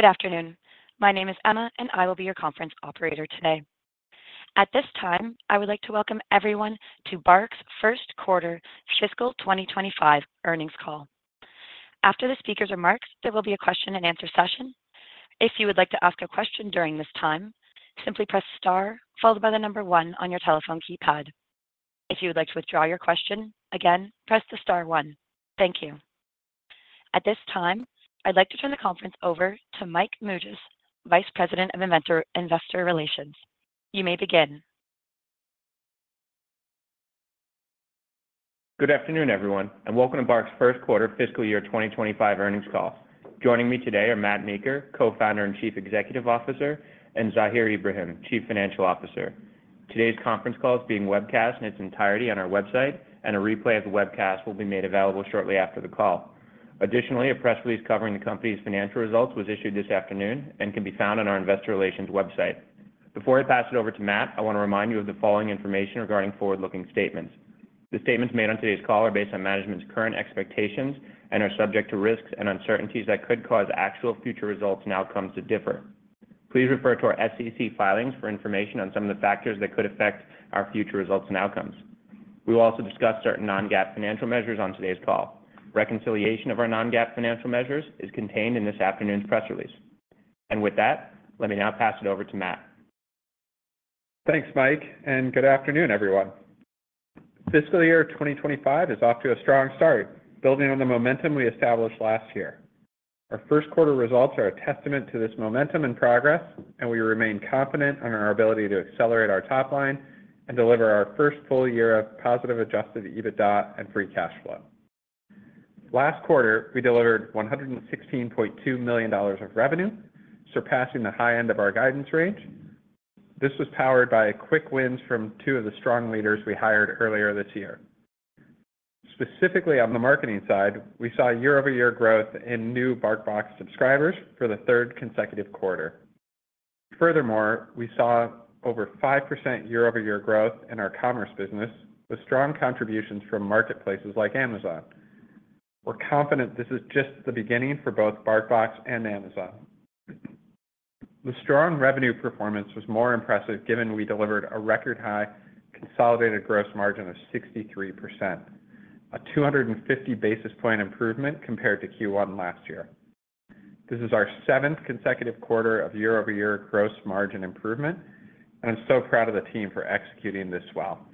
Good afternoon. My name is Emma, and I will be your conference operator today. At this time, I would like to welcome everyone to BARK's Q1 fiscal 2025 earnings call. After the speaker's remarks, there will be a question and answer session. If you would like to ask a question during this time, simply press star followed by the number one on your telephone keypad. If you would like to withdraw your question, again, press the star one. Thank you. At this time, I'd like to turn the conference over to Mike Mougias, Vice President of Investor Relations. You may begin. Good afternoon, everyone, and welcome to BARK's Q1 fiscal year 2025 earnings call. Joining me today are Matt Meeker, Co-founder and Chief Executive Officer, and Zahir Ibrahim, Chief Financial Officer. Today's conference call is being webcast in its entirety on our website, and a replay of the webcast will be made available shortly after the call. Additionally, a press release covering the company's financial results was issued this afternoon and can be found on our investor relations website. Before I pass it over to Matt, I want to remind you of the following information regarding forward-looking statements. The statements made on today's call are based on management's current expectations and are subject to risks and uncertainties that could cause actual future results and outcomes to differ. Please refer to our SEC filings for information on some of the factors that could affect our future results and outcomes. We will also discuss certain non-GAAP financial measures on today's call. Reconciliation of our non-GAAP financial measures is contained in this afternoon's press release. With that, let me now pass it over to Matt. Thanks, Mike, and good afternoon, everyone. Fiscal year 2025 is off to a strong start, building on the momentum we established last year. Our Q1 results are a testament to this momentum and progress, and we remain confident on our ability to accelerate our top line and deliver our first full year of positive Adjusted EBITDA and Free Cash Flow. Last quarter, we delivered $116.2 million of revenue, surpassing the high end of our guidance range. This was powered by quick wins from two of the strong leaders we hired earlier this year. Specifically, on the marketing side, we saw year-over-year growth in new BarkBox subscribers for the third consecutive quarter. Furthermore, we saw over 5% year-over-year growth in our commerce business, with strong contributions from marketplaces like Amazon. We're confident this is just the beginning for both BarkBox and Amazon. The strong revenue performance was more impressive, given we delivered a record high consolidated gross margin of 63%, a 250 basis point improvement compared to Q1 last year. This is our seventh consecutive quarter of year-over-year gross margin improvement, and I'm so proud of the team for executing this well.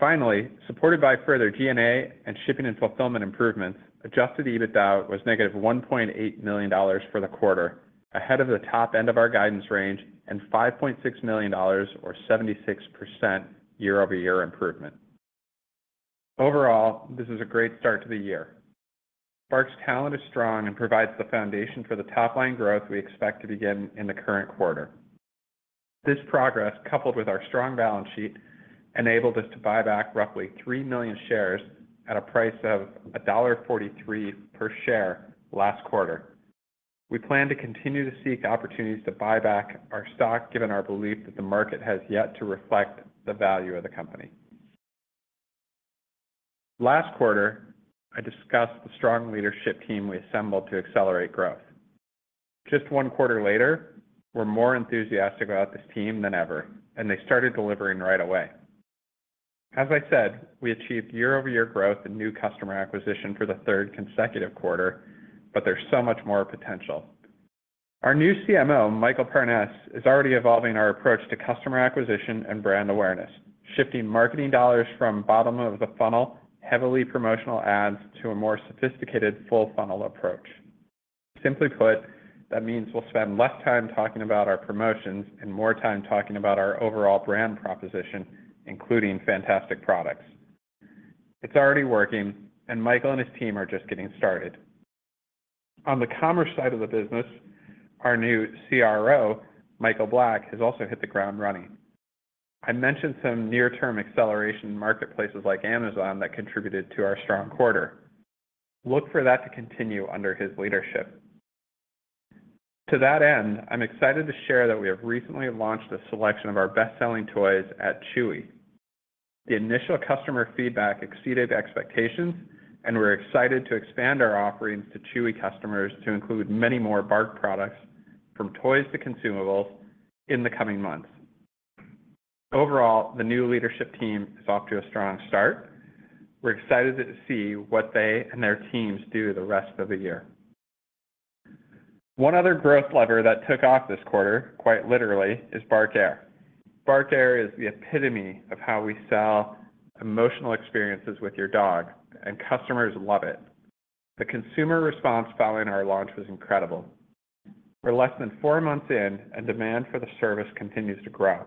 Finally, supported by further G&A and shipping and fulfillment improvements, Adjusted EBITDA was -$1.8 million for the quarter, ahead of the top end of our guidance range, and $5.6 million or 76% year-over-year improvement. Overall, this is a great start to the year. BARK's talent is strong and provides the foundation for the top line growth we expect to begin in the current quarter. This progress, coupled with our strong balance sheet, enabled us to buy back roughly 3 million shares at a price of $1.43 per share last quarter. We plan to continue to seek opportunities to buy back our stock, given our belief that the market has yet to reflect the value of the company. Last quarter, I discussed the strong leadership team we assembled to accelerate growth. Just one quarter later, we're more enthusiastic about this team than ever, and they started delivering right away. As I said, we achieved year-over-year growth in new customer acquisition for the third consecutive quarter, but there's so much more potential. Our new CMO, Michael Parness, is already evolving our approach to customer acquisition and brand awareness, shifting marketing dollars from bottom of the funnel, heavily promotional ads, to a more sophisticated full funnel approach. Simply put, that means we'll spend less time talking about our promotions and more time talking about our overall brand proposition, including fantastic products. It's already working, and Michael and his team are just getting started. On the commerce side of the business, our new CRO, Michael Black, has also hit the ground running. I mentioned some near-term acceleration in marketplaces like Amazon that contributed to our strong quarter. Look for that to continue under his leadership. To that end, I'm excited to share that we have recently launched a selection of our best-selling toys at Chewy. The initial customer feedback exceeded expectations, and we're excited to expand our offerings to Chewy customers to include many more Bark products, from toys to consumables, in the coming months. Overall, the new leadership team is off to a strong start. We're excited to see what they and their teams do the rest of the year. One other growth lever that took off this quarter, quite literally, is BARK Air. BARK Air is the epitome of how we sell emotional experiences with your dog, and customers love it. The consumer response following our launch was incredible. We're less than four months in, and demand for the service continues to grow.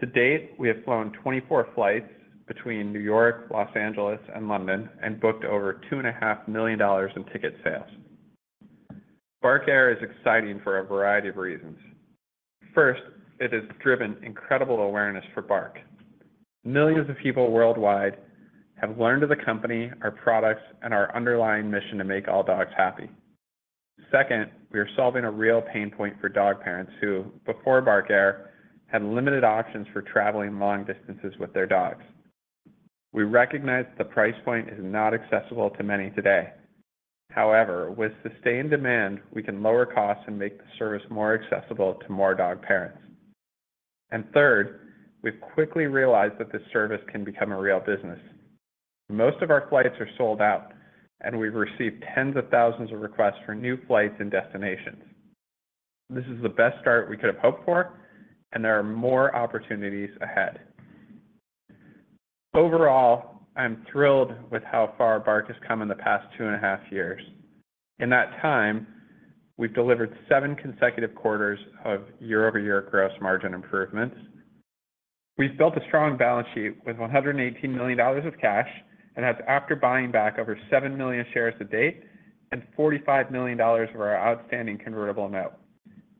To date, we have flown 24 flights between New York, Los Angeles, and London, and booked over $2.5 million in ticket sales. BARK Air is exciting for a variety of reasons. First, it has driven incredible awareness for Bark. Millions of people worldwide have learned of the company, our products, and our underlying mission to make all dogs happy. Second, we are solving a real pain point for dog parents who, before BARK Air, had limited options for traveling long distances with their dogs. We recognize the price point is not accessible to many today. However, with sustained demand, we can lower costs and make the service more accessible to more dog parents. And third, we've quickly realized that this service can become a real business. Most of our flights are sold out, and we've received tens of thousands of requests for new flights and destinations. This is the best start we could have hoped for, and there are more opportunities ahead. Overall, I'm thrilled with how far Bark has come in the past two and a half years. In that time, we've delivered seven consecutive quarters of year-over-year gross margin improvements. We've built a strong balance sheet with $118 million of cash, and that's after buying back over 7 million shares to date and $45 million of our outstanding Convertible Note.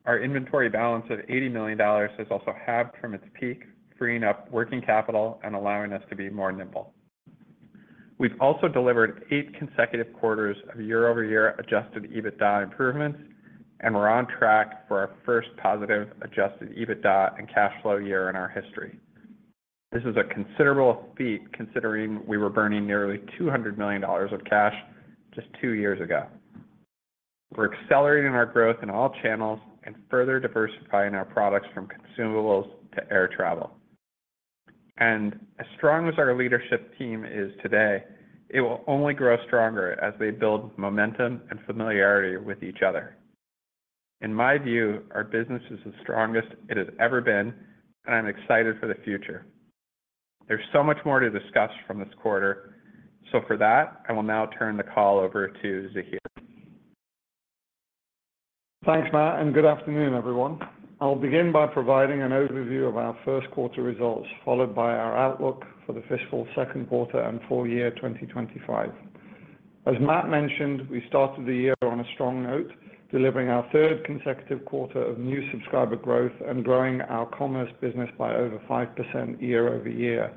Our inventory balance of $80 million has also halved from its peak, freeing up Working Capital and allowing us to be more nimble. We've also delivered eight consecutive quarters of year-over-year Adjusted EBITDA improvements, and we're on track for our first positive Adjusted EBITDA and cash flow year in our history. This is a considerable feat, considering we were burning nearly $200 million of cash just two years ago. We're accelerating our growth in all channels and further diversifying our products from consumables to air travel. And as strong as our leadership team is today, it will only grow stronger as they build momentum and familiarity with each other. In my view, our business is the strongest it has ever been, and I'm excited for the future. There's so much more to discuss from this quarter, so for that, I will now turn the call over to Zahir. Thanks, Matt, and good afternoon, everyone. I'll begin by providing an overview of our first quarter results, followed by our outlook for the fiscal second quarter and full year 2025. As Matt mentioned, we started the year on a strong note, delivering our third consecutive quarter of new subscriber growth and growing our commerce business by over 5% year-over-year,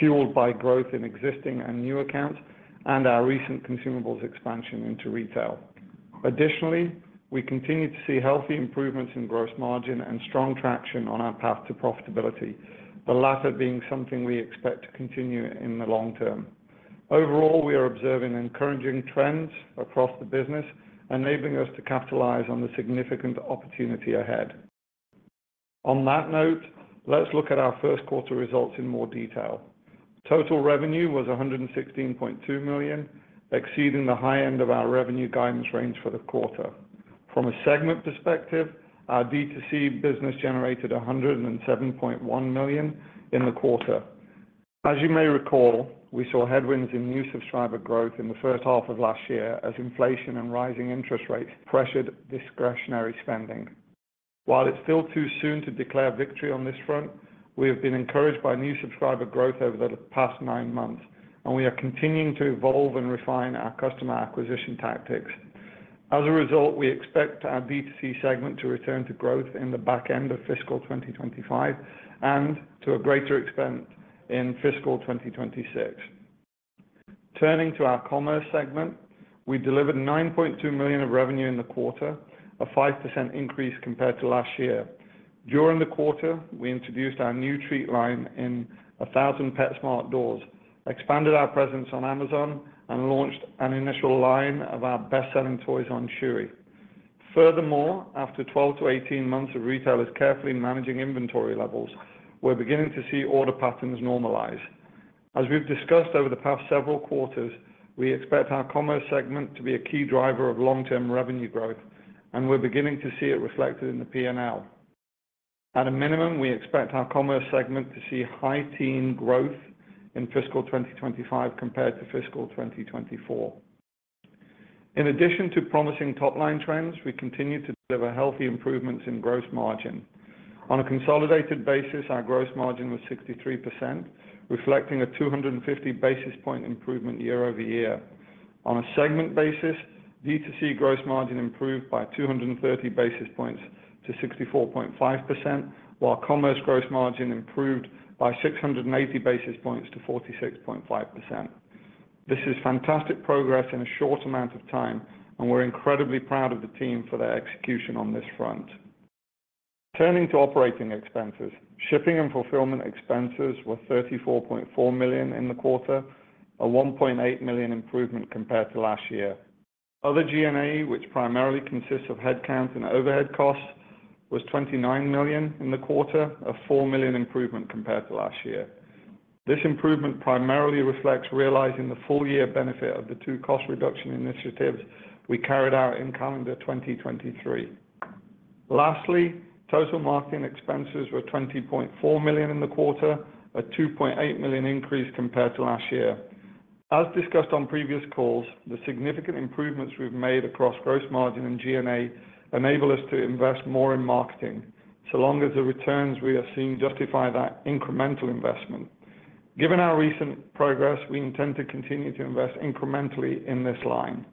fueled by growth in existing and new accounts and our recent consumables expansion into retail. Additionally, we continue to see healthy improvements in gross margin and strong traction on our path to profitability, the latter being something we expect to continue in the long term. Overall, we are observing encouraging trends across the business, enabling us to capitalize on the significant opportunity ahead. On that note, let's look at our first quarter results in more detail. Total revenue was $116.2 million, exceeding the high end of our revenue guidance range for the quarter. From a segment perspective, our D2C business generated $107.1 million in the quarter. As you may recall, we saw headwinds in new subscriber growth in the first half of last year as inflation and rising interest rates pressured discretionary spending. While it's still too soon to declare victory on this front, we have been encouraged by new subscriber growth over the past nine months, and we are continuing to evolve and refine our customer acquisition tactics. As a result, we expect our D2C segment to return to growth in the back end of fiscal 2025 and to a greater extent in fiscal 2026. Turning to our commerce segment, we delivered $9.2 million of revenue in the quarter, a 5% increase compared to last year. During the quarter, we introduced our new treat line in 1,000 PetSmart doors, expanded our presence on Amazon, and launched an initial line of our best-selling toys on Chewy. Furthermore, after 12 months-18 months of retailers carefully managing inventory levels, we're beginning to see order patterns normalize. As we've discussed over the past several quarters, we expect our commerce segment to be a key driver of long-term revenue growth, and we're beginning to see it reflected in the P&L. At a minimum, we expect our commerce segment to see high-teens growth in fiscal 2025 compared to fiscal 2024. In addition to promising top-line trends, we continue to deliver healthy improvements in gross margin. On a consolidated basis, our gross margin was 63%, reflecting a 250 basis point improvement year-over-year. On a segment basis, D2C gross margin improved by 230 basis points to 64.5%, while commerce gross margin improved by 680 basis points to 46.5%. This is fantastic progress in a short amount of time, and we're incredibly proud of the team for their execution on this front. Turning to operating expenses. Shipping and fulfillment expenses were $34.4 million in the quarter, a $1.8 million improvement compared to last year. Other G&A, which primarily consists of headcount and overhead costs, was $29 million in the quarter, a $4 million improvement compared to last year. This improvement primarily reflects realizing the full year benefit of the two cost reduction initiatives we carried out in calendar 2023. Lastly, total marketing expenses were $20.4 million in the quarter, a $2.8 million increase compared to last year. As discussed on previous calls, the significant improvements we've made across gross margin and G&A enable us to invest more in marketing, so long as the returns we are seeing justify that incremental investment. Given our recent progress, we intend to continue to invest incrementally in this line.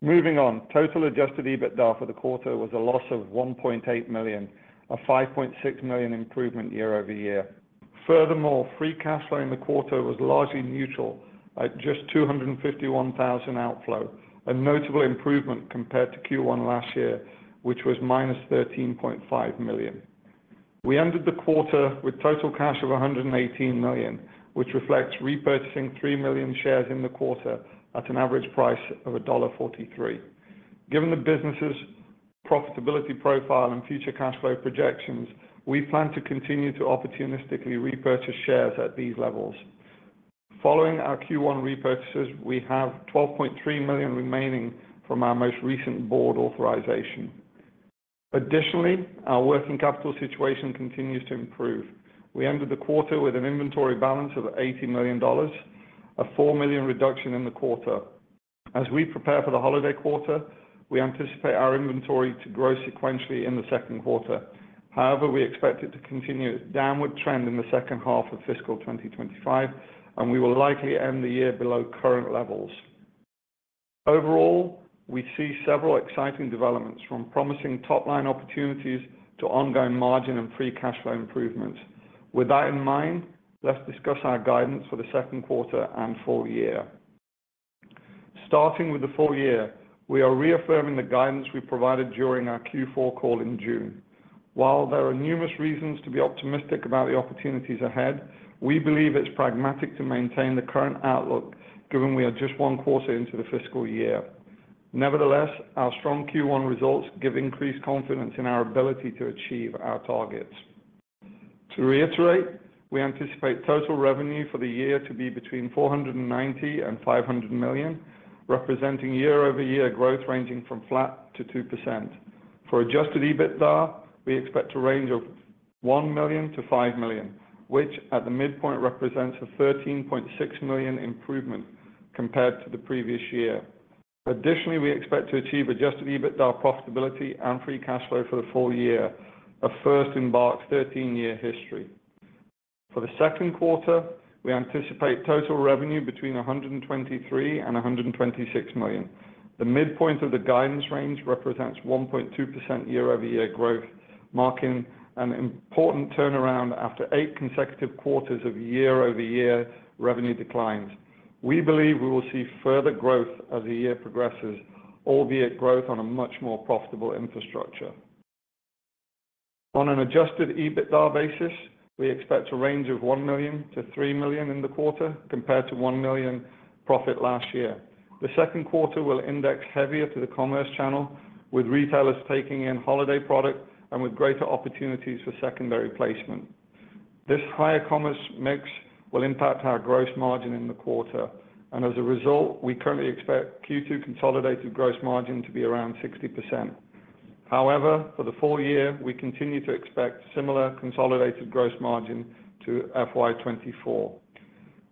Moving on. Total adjusted EBITDA for the quarter was a loss of $1.8 million, a $5.6 million improvement year-over-year. Furthermore, free cash flow in the quarter was largely neutral at just a $251,000 outflow, a notable improvement compared to Q1 last year, which was -$13.5 million. We ended the quarter with total cash of $118 million, which reflects repurchasing 3 million shares in the quarter at an average price of $1.43. Given the business's profitability profile and future cash flow projections, we plan to continue to opportunistically repurchase shares at these levels. Following our Q1 repurchases, we have $12.3 million remaining from our most recent board authorization. Additionally, our working capital situation continues to improve. We ended the quarter with an inventory balance of $80 million, a $4 million reduction in the quarter. As we prepare for the holiday quarter, we anticipate our inventory to grow sequentially in the second quarter. However, we expect it to continue downward trend in the second half of fiscal 2025, and we will likely end the year below current levels. Overall, we see several exciting developments, from promising top-line opportunities to ongoing margin and free cash flow improvements. With that in mind, let's discuss our guidance for the second quarter and full year. Starting with the full year, we are reaffirming the guidance we provided during our Q4 call in June. While there are numerous reasons to be optimistic about the opportunities ahead, we believe it's pragmatic to maintain the current outlook, given we are just one quarter into the fiscal year. Nevertheless, our strong Q1 results give increased confidence in our ability to achieve our targets. To reiterate, we anticipate total revenue for the year to be between $490 million and $500 million, representing year-over-year growth ranging from flat to 2%. For Adjusted EBITDA, we expect a range of $1 million-$5 million, which at the midpoint represents a $13.6 million improvement compared to the previous year. Additionally, we expect to achieve Adjusted EBITDA profitability and Free Cash Flow for the full year, a first in BARK's 13-year history. For the second quarter, we anticipate total revenue between $123 million and $126 million. The midpoint of the guidance range represents 1.2% year-over-year growth, marking an important turnaround after eight consecutive quarters of year-over-year revenue declines. We believe we will see further growth as the year progresses, albeit growth on a much more profitable infrastructure. On an Adjusted EBITDA basis, we expect a range of $1 million-$3 million in the quarter, compared to $1 million profit last year. The second quarter will index heavier to the commerce channel, with retailers taking in holiday product and with greater opportunities for secondary placement. This higher commerce mix will impact our Gross Margin in the quarter, and as a result, we currently expect Q2 consolidated Gross Margin to be around 60%. However, for the full year, we continue to expect similar consolidated Gross Margin to FY 2024.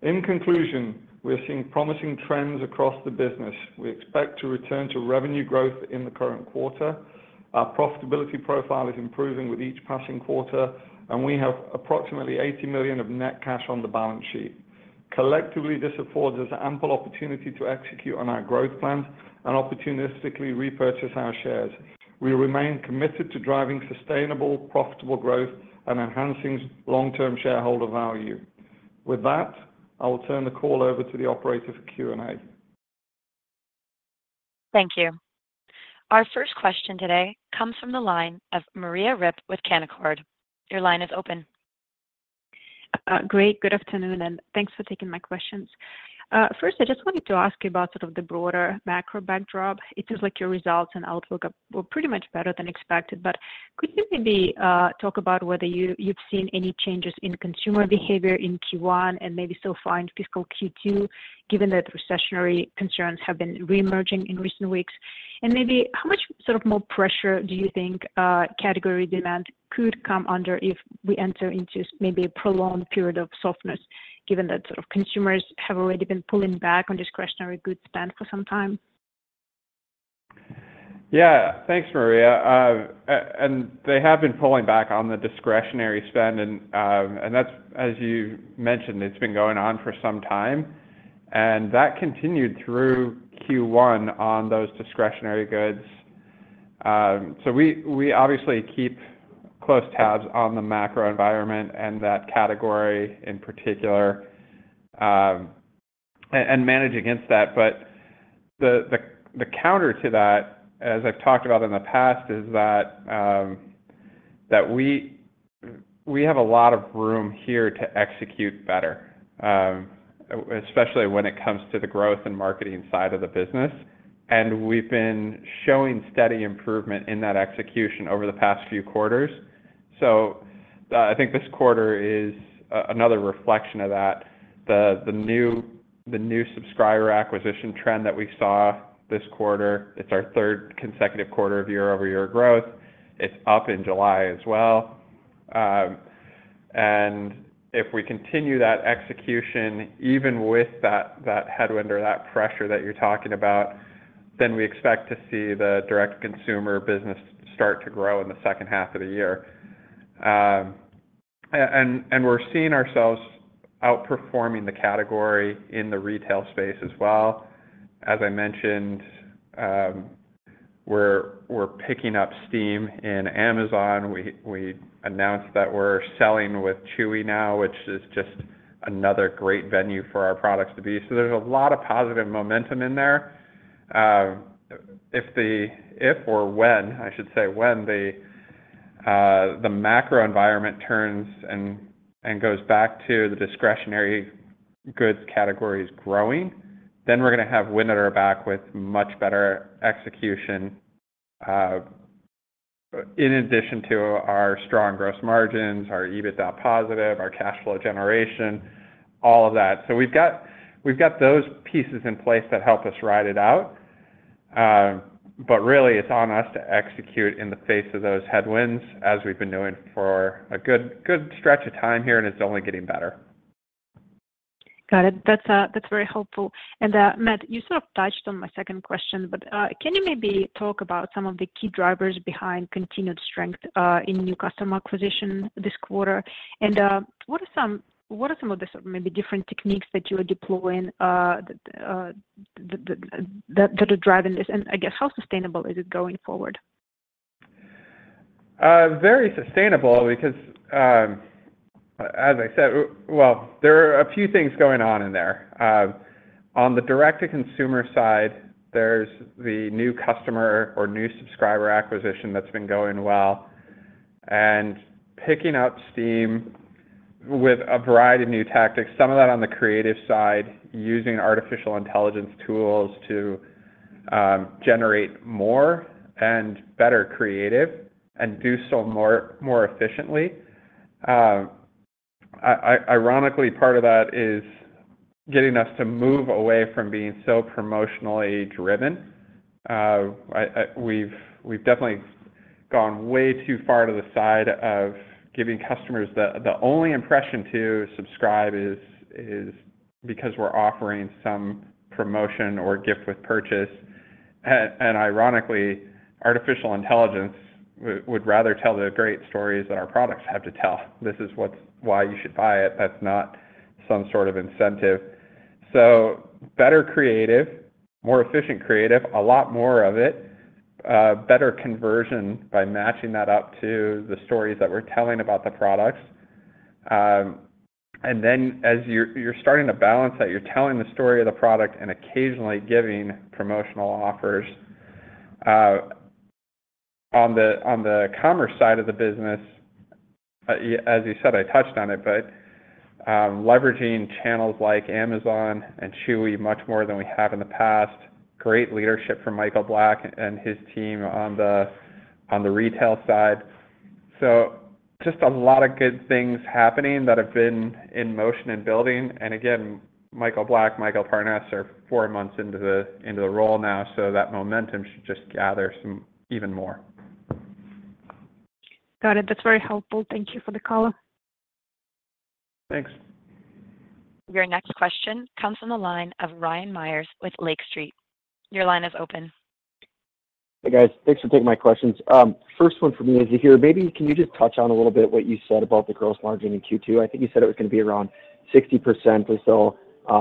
In conclusion, we are seeing promising trends across the business. We expect to return to revenue growth in the current quarter. Our profitability profile is improving with each passing quarter, and we have approximately $80 million of net cash on the balance sheet. Collectively, this affords us ample opportunity to execute on our growth plans and opportunistically repurchase our shares. We remain committed to driving sustainable, profitable growth and enhancing long-term shareholder value. With that, I will turn the call over to the operator for Q&A. Thank you. Our first question today comes from the line of Maria Ripps with Canaccord. Your line is open. Great. Good afternoon, and thanks for taking my questions. First, I just wanted to ask you about sort of the broader macro backdrop. It seems like your results and outlook are, were pretty much better than expected, but could you maybe talk about whether you, you've seen any changes in consumer behavior in Q1 and maybe so far in fiscal Q2, given that recessionary concerns have been reemerging in recent weeks? And maybe how much sort of more pressure do you think category demand could come under if we enter into maybe a prolonged period of softness, given that sort of consumers have already been pulling back on discretionary good spend for some time? Yeah. Thanks, Maria. They have been pulling back on the discretionary spend and, and that's as you mentioned, it's been going on for some time, and that continued through Q1 on those discretionary goods. So we obviously keep close tabs on the macro environment and that category in particular, and manage against that. But the counter to that, as I've talked about in the past, is that we have a lot of room here to execute better, especially when it comes to the growth and marketing side of the business. And we've been showing steady improvement in that execution over the past few quarters. I think this quarter is another reflection of that. The new subscriber acquisition trend that we saw this quarter, it's our third consecutive quarter of year-over-year growth. It's up in July as well. And if we continue that execution, even with that headwind or that pressure that you're talking about, then we expect to see the direct consumer business start to grow in the second half of the year. And we're seeing ourselves outperforming the category in the retail space as well. As I mentioned, we're picking up steam in Amazon. We announced that we're selling with Chewy now, which is just another great venue for our products to be. So there's a lot of positive momentum in there. If or when, I should say when the macro environment turns and goes back to the discretionary goods categories growing, then we're going to have wind at our back with much better execution, but in addition to our strong gross margins, our EBITDA positive, our cash flow generation, all of that. So we've got those pieces in place that help us ride it out. But really, it's on us to execute in the face of those headwinds as we've been doing for a good stretch of time here, and it's only getting better. Got it. That's, that's very helpful. And, Matt, you sort of touched on my second question, but, can you maybe talk about some of the key drivers behind continued strength in new customer acquisition this quarter? And, what are some of the sort of maybe different techniques that you are deploying that are driving this? And I guess, how sustainable is it going forward? Very sustainable, because, as I said... Well, there are a few things going on in there. On the direct-to-consumer side, there's the new customer or new subscriber acquisition that's been going well and picking up steam with a variety of new tactics, some of that on the creative side, using artificial intelligence tools to generate more and better creative and do so more efficiently. Ironically, part of that is getting us to move away from being so promotionally driven. I... We've definitely gone way too far to the side of giving customers the only impression to subscribe is because we're offering some promotion or gift with purchase. And ironically, artificial intelligence would rather tell the great stories that our products have to tell. This is what's why you should buy it, that's not some sort of incentive. So better creative, more efficient creative, a lot more of it, better conversion by matching that up to the stories that we're telling about the products. And then as you're, you're starting to balance that, you're telling the story of the product and occasionally giving promotional offers. On the commerce side of the business, as you said, I touched on it, but, leveraging channels like Amazon and Chewy much more than we have in the past. Great leadership from Michael Black and his team on the retail side. So just a lot of good things happening that have been in motion and building. And again, Michael Black, Michael Parness, are four months into the role now, so that momentum should just gather some even more. Got it. That's very helpful. Thank you for the call. Thanks. Your next question comes from the line of Ryan Meyers with Lake Street. Your line is open. Hey, guys. Thanks for taking my questions. First one for me is you hear, maybe can you just touch on a little bit what you said about the gross margin in Q2? I think you said it was going to be around 60% or so,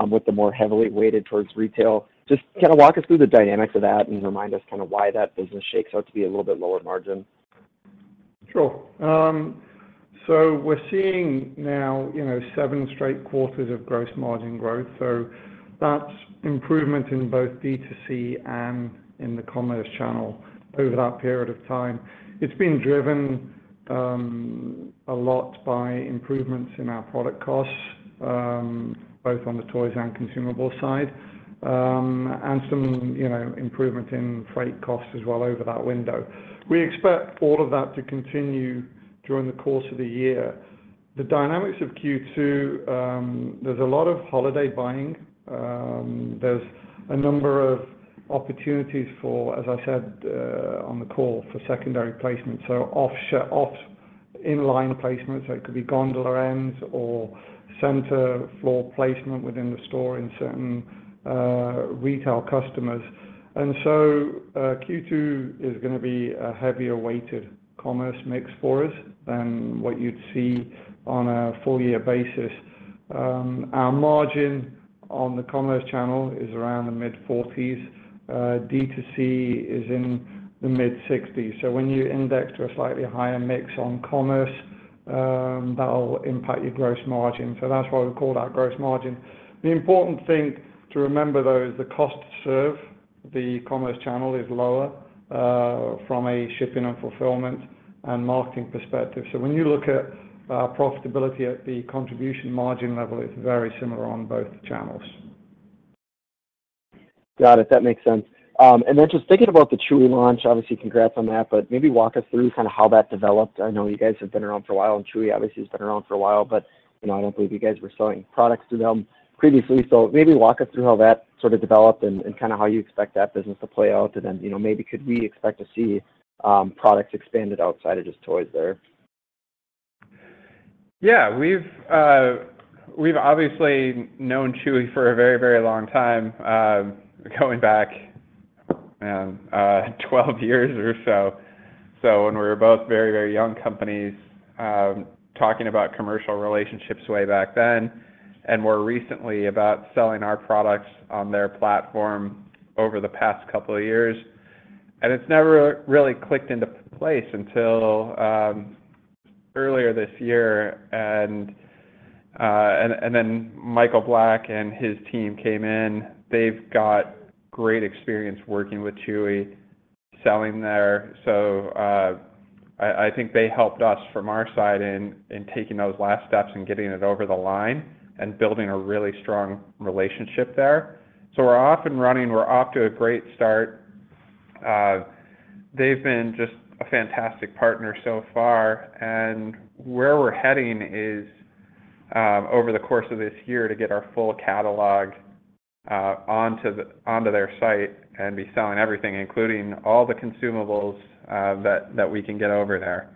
with the more heavily weighted towards retail. Just kind of walk us through the dynamics of that and remind us kind of why that business shakes out to be a little bit lower margin. Sure. So we're seeing now, you know, seven straight quarters of gross margin growth, so that's improvement in both D2C and in the commerce channel over that period of time. It's been driven a lot by improvements in our product costs both on the toys and consumable side and some, you know, improvement in freight costs as well over that window. We expect all of that to continue during the course of the year. The dynamics of Q2, there's a lot of holiday buying. There's a number of opportunities for, as I said, on the call, for secondary placement, so off in-line placement. So it could be gondola ends or center floor placement within the store in certain retail customers. Q2 is going to be a heavier weighted commerce mix for us than what you'd see on a full year basis. Our margin on the commerce channel is around the mid-40s. D2C is in the mid-60s. So when you index to a slightly higher mix on commerce, that'll impact your gross margin. So that's why we call that gross margin. The important thing to remember, though, is the cost to serve the commerce channel is lower, from a shipping and fulfillment and marketing perspective. So when you look at profitability at the contribution margin level, it's very similar on both channels. Got it. That makes sense. And then just thinking about the Chewy launch, obviously, congrats on that, but maybe walk us through kind of how that developed. I know you guys have been around for a while, and Chewy obviously has been around for a while, but, you know, I don't believe you guys were selling products through them previously. So maybe walk us through how that sort of developed and kind of how you expect that business to play out. And then, you know, maybe could we expect to see products expanded outside of just toys there? Yeah. We've obviously known Chewy for a very, very long time, going back 12 years or so. So when we were both very, very young companies, talking about commercial relationships way back then, and more recently about selling our products on their platform over the past couple of years. And it's never really clicked into place until earlier this year, and then Michael Black and his team came in. They've got great experience working with Chewy, selling there. So I think they helped us from our side in taking those last steps and getting it over the line and building a really strong relationship there. So we're off and running. We're off to a great start. They've been just a fantastic partner so far, and where we're heading is, over the course of this year, to get our full catalog, onto the- onto their site and be selling everything, including all the consumables, that we can get over there.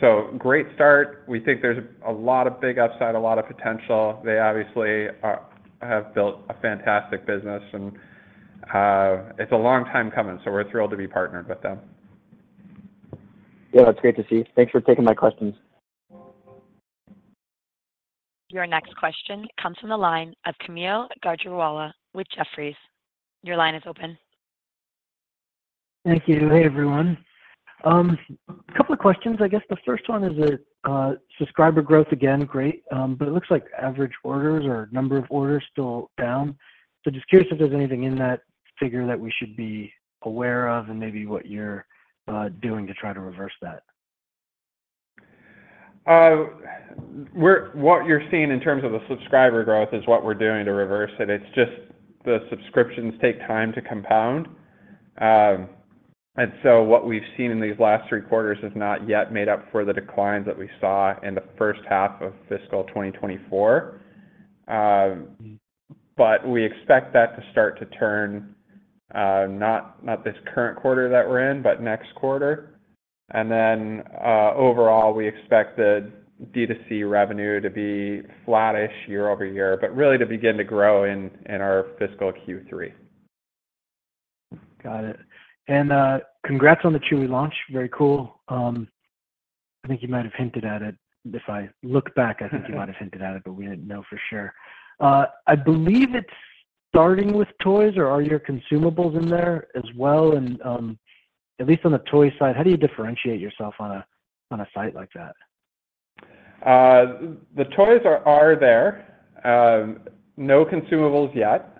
So great start. We think there's a lot of big upside, a lot of potential. They obviously have built a fantastic business, and, it's a long time coming, so we're thrilled to be partnered with them. Yeah, that's great to see. Thanks for taking my questions. Your next question comes from the line of Kaumil Gajrawala with Jefferies. Your line is open. Thank you. Hey, everyone. A couple of questions. I guess the first one is that, subscriber growth again, great, but it looks like average orders or number of orders still down. So just curious if there's anything in that figure that we should be aware of and maybe what you're doing to try to reverse that. What you're seeing in terms of the subscriber growth is what we're doing to reverse it. It's just the subscriptions take time to compound. And so what we've seen in these last three quarters has not yet made up for the declines that we saw in the first half of fiscal 2024. But we expect that to start to turn, not this current quarter that we're in, but next quarter. And then, overall, we expect the D2C revenue to be flattish year-over-year, but really to begin to grow in our fiscal Q3. Got it. Congrats on the Chewy launch. Very cool. I think you might have hinted at it, but we didn't know for sure. I believe it's starting with toys, or are your consumables in there as well? At least on the toy side, how do you differentiate yourself on a site like that? The toys are there, no consumables yet.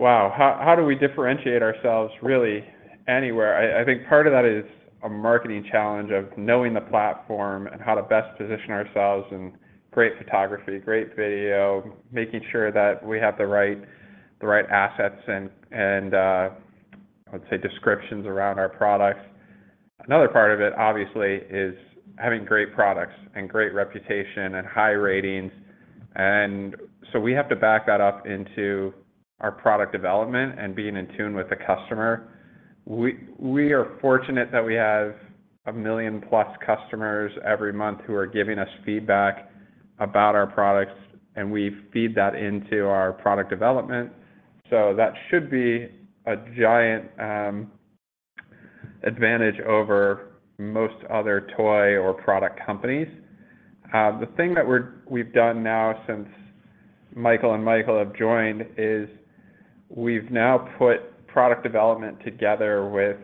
Wow, how do we differentiate ourselves really anywhere? I think part of that is a marketing challenge of knowing the platform and how to best position ourselves, and great photography, great video, making sure that we have the right assets and, let's say, descriptions around our products. Another part of it, obviously, is having great products and great reputation and high ratings. So we have to back that up into our product development and being in tune with the customer. We are fortunate that we have 1 million-plus customers every month who are giving us feedback about our products, and we feed that into our product development. So that should be a giant advantage over most other toy or product companies. The thing that we've done now since Michael and Michael have joined is we've now put product development together with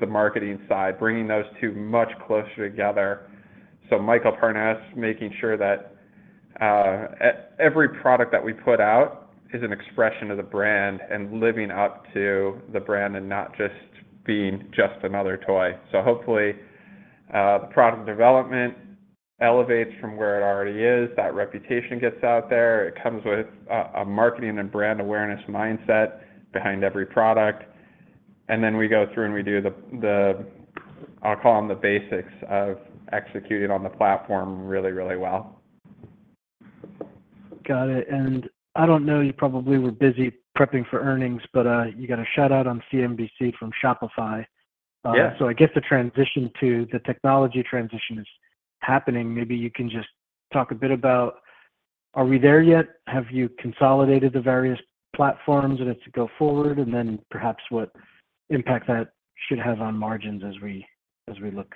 the marketing side, bringing those two much closer together. So Michael Parness, making sure that every product that we put out is an expression of the brand and living up to the brand and not just being just another toy. So hopefully, the product development elevates from where it already is. That reputation gets out there. It comes with a marketing and brand awareness mindset behind every product, and then we go through and we do the basics of executing on the platform really, really well. Got it. I don't know, you probably were busy prepping for earnings, but you got a shout-out on CNBC from Shopify. Yeah. So I guess the transition to the technology transition is happening. Maybe you can just talk a bit about, are we there yet? Have you consolidated the various platforms and it's to go forward, and then perhaps what impact that should have on margins as we look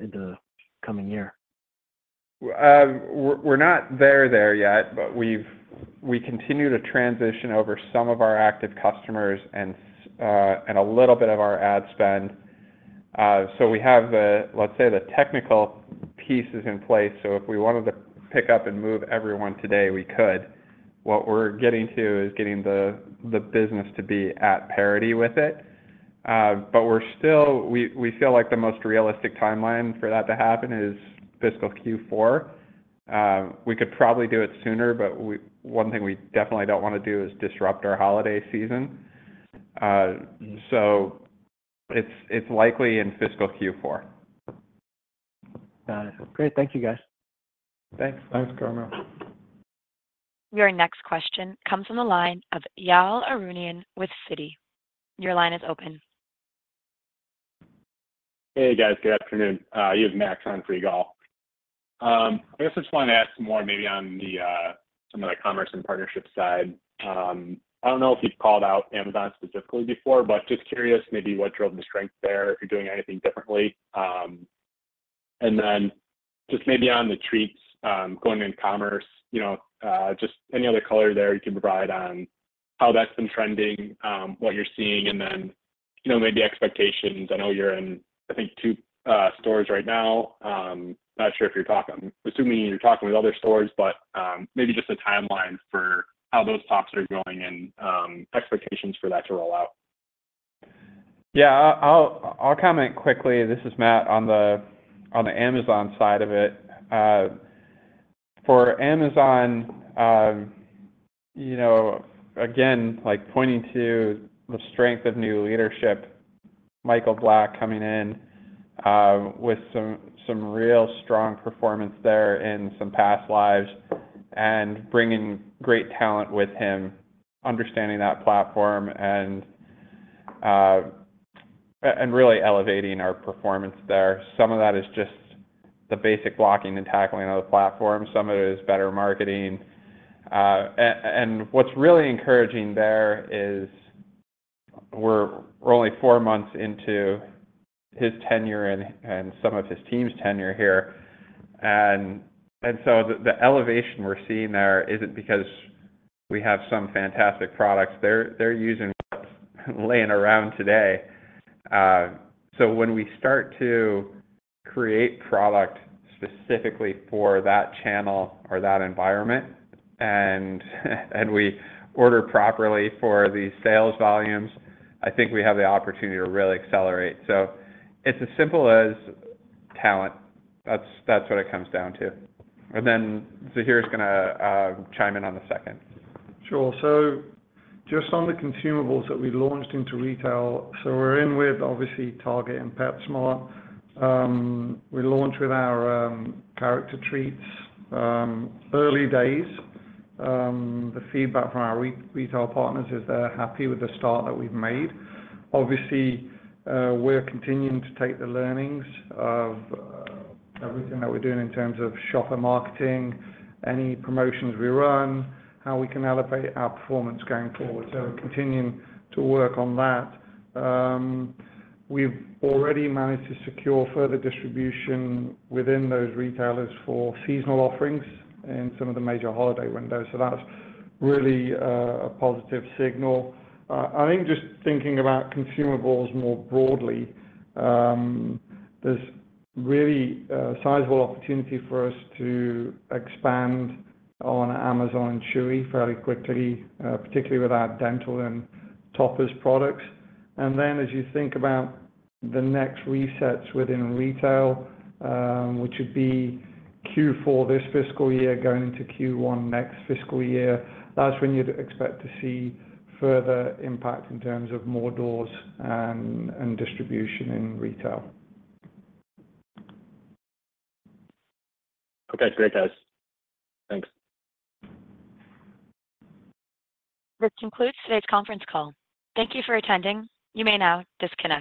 into the coming year? We're not there yet, but we continue to transition over some of our active customers and a little bit of our ad spend. So we have the, let's say, the technical pieces in place. So if we wanted to pick up and move everyone today, we could. What we're getting to is getting the business to be at parity with it. But we feel like the most realistic timeline for that to happen is fiscal Q4. We could probably do it sooner, but one thing we definitely don't want to do is disrupt our holiday season. So it's likely in fiscal Q4. Got it. Great. Thank you, guys. Thanks. Thanks, Kaumil. Your next question comes from the line of Ygal Arounian with Citi. Your line is open. Hey, guys. Good afternoon. You have Max on for Ygal. I guess I just wanted to ask some more maybe on the some of the commerce and partnership side. I don't know if you've called out Amazon specifically before, but just curious maybe what drove the strength there, if you're doing anything differently. And then just maybe on the treats going in commerce, you know, just any other color there you can provide on how that's been trending, what you're seeing, and then, you know, maybe expectations. I know you're in, I think, two stores right now. I'm not sure if you're talking. I'm assuming you're talking with other stores, but, maybe just a timeline for how those talks are going and expectations for that to roll out. Yeah. I'll comment quickly. This is Matt, on the Amazon side of it. For Amazon, you know, again, like, pointing to the strength of new leadership, Michael Black coming in, with some real strong performance there in some past lives and bringing great talent with him, understanding that platform and really elevating our performance there. Some of that is just the basic blocking and tackling of the platform. Some of it is better marketing. And what's really encouraging there is we're only four months into his tenure and some of his team's tenure here. And so the elevation we're seeing there isn't because we have some fantastic products. They're using what's laying around today. So when we start to create product specifically for that channel or that environment and, and we order properly for the sales volumes, I think we have the opportunity to really accelerate. So it's as simple as talent. That's, that's what it comes down to. And then Zahir is gonna chime in on the second. Sure. So just on the consumables that we launched into retail, so we're in with obviously Target and PetSmart. We launched with our character treats early days. The feedback from our retail partners is they're happy with the start that we've made. Obviously, we're continuing to take the learnings of everything that we're doing in terms of shopper marketing, any promotions we run, how we can elevate our performance going forward. So we're continuing to work on that. We've already managed to secure further distribution within those retailers for seasonal offerings in some of the major holiday windows, so that's really a positive signal. I think just thinking about consumables more broadly, there's really a sizable opportunity for us to expand on Amazon and Chewy fairly quickly, particularly with our dental and toppers products. And then, as you think about the next resets within retail, which would be Q4 this fiscal year, going into Q1 next fiscal year, that's when you'd expect to see further impact in terms of more doors and, and distribution in retail. Okay. Great, guys. Thanks. This concludes today's conference call. Thank you for attending. You may now disconnect.